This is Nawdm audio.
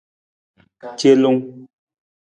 Celung.